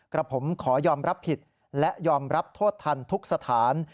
กระผมขอยอมรับผิดและยอมรับโทษทันทุกสถาน